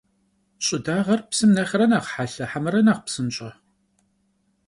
Ş'ıdağer psım nexhre nexh helhe hemere nexh psınş'e?